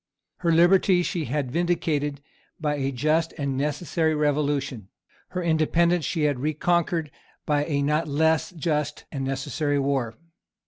Her liberty she had vindicated by a just and necessary revolution. Her independence she had reconquered by a not less just and necessary war.